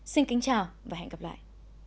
xin kính chào và hẹn gặp lại